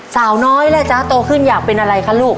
สาวน้อยล่ะจ๊ะโตขึ้นอยากเป็นอะไรคะลูก